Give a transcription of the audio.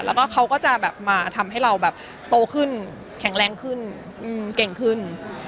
แล้วก็เขาก็จะแบบมาทำให้เราแบบโตขึ้นแข็งแรงขึ้นเก่งขึ้น